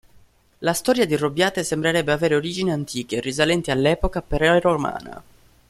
La storia di Robbiate sembrerebbe avere origini antiche, risalenti all'epoca preromana.